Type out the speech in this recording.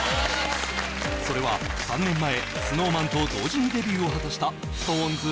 それは３年前ＳｎｏｗＭａｎと同時にデビューを果たしたＳｉｘＴＯＮＥＳ